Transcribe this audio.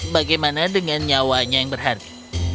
bagaimana dengan nyawanya yang berharga